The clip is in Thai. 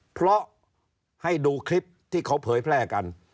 เพราะให้ดูคลิปที่เขาเผยแพร่กัน